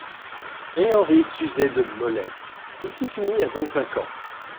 Et Henri s'usait de mollesse ; il fut fini à vingt-cinq ans.